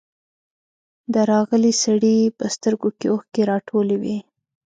د راغلي سړي په سترګو کې اوښکې راټولې وې.